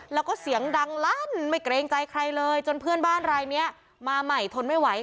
แล้วก็เสียงดังลั่นไม่เกรงใจใครเลยจนเพื่อนบ้านรายนี้มาใหม่ทนไม่ไหว